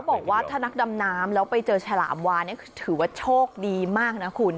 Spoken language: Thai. บอกว่าถ้านักดำน้ำแล้วไปเจอฉลามวานถือว่าโชคดีมากนะคุณ